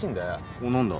おう何だ？